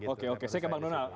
oke oke saya ke bang donal